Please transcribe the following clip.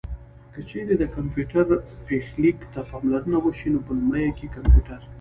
که چېرې د کمپيوټر پيښليک ته پاملرنه وشي نو په لومړيو کې کمپيوټر